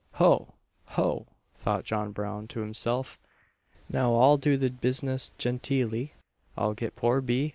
"Ho! ho!" thought John Brown to himself, "now I'll do the business genteelly I'll get poor B.